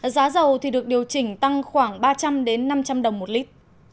giá dầu thì được điều chỉnh tăng khoảng ba trăm linh năm trăm linh đồng một lít